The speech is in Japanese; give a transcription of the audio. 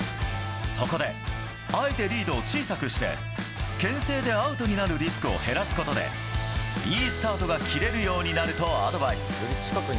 そこで、あえてリードを小さくして牽制でアウトになるリスクを減らすことでいいスタートが切れるようになるとアドバイス。